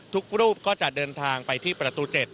ทุกรูปก็จะเดินทางไปที่ประตู๗